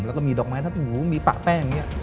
แล้วก็มีดอกไม้ทัดหูมีปะแป้งอย่างนี้